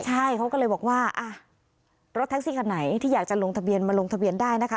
ใช่เขาก็เลยบอกว่ารถแท็กซี่คันไหนที่อยากจะลงทะเบียนมาลงทะเบียนได้นะคะ